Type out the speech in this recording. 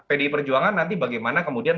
pdi perjuangan nanti bagaimana kemudian